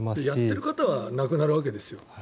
やってる方はなくなるわけですよ。